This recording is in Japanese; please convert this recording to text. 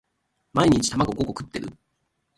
毎日卵五個食ってる？